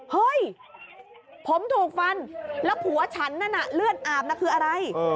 เฮ้ยผมถูกฟันแล้วผัวฉันนั่นน่ะเลือดอาบน่ะคืออะไร